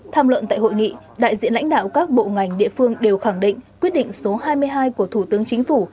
tham luận tại hội nghị đại diện lãnh đạo các bộ ngành địa phương đều khẳng định quyết định số hai mươi hai của thủ tướng chính phủ